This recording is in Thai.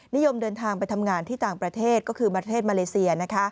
นิยมเดินทางไปทำงานที่ต่างประเทศก็คือประเทศมาเลเซีย